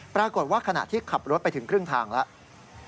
ปรากฏว่าขณะที่ขับรถไปถึงครึ่งทางแล้ว